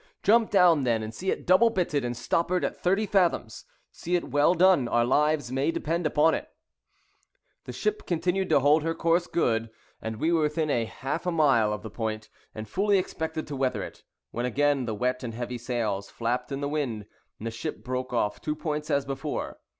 "Jump down, then, and see it double bitted and stoppered at thirty fathoms. See it well done—our lives may depend upon it." The ship continued to hold her course good; and we were within half a mile of the point, and fully expected to weather it, when again the wet and heavy sails flapped in the wind, and the ship broke off two points as before.